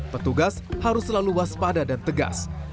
petugas harus selalu waspada dan tegas